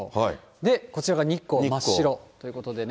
で、こちらが日光、真っ白ということでね。